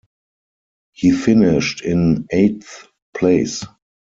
He finished in eighth place.